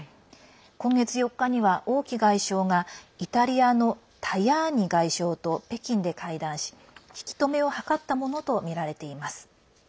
今月４日には、王毅外相がイタリアのタヤーニ外相と北京で会談し、引き止めを図ったものとみられています。